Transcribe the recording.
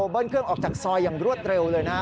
เบิ้ลเครื่องออกจากซอยอย่างรวดเร็วเลยนะฮะ